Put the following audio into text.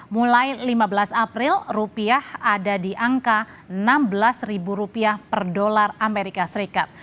mulai lima belas april rupiah ada di angka enam belas rupiah per dolar amerika serikat